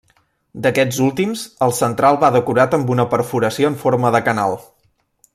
D'aquests últims, el central va decorat amb una perforació en forma de canal.